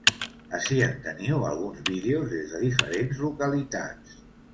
Ací en teniu alguns vídeos des de diferents localitats.